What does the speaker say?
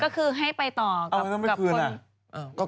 ก็คือให้ไปต่อกับคน